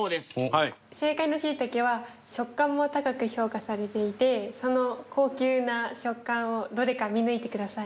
正解のシイタケは食感も高く評価されていてその高級な食感をどれか見抜いてください。